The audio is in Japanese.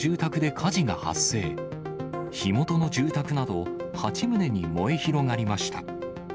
火元の住宅など８棟に燃え広がりました。